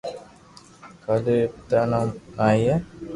ڪالي ري پيتا رو نوم نائي ھي